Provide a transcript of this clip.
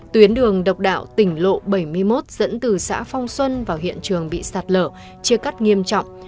tuyến đường độc đạo tỉnh lộ bảy mươi một dẫn từ xã phong xuân vào hiện trường bị sạt lở chia cắt nghiêm trọng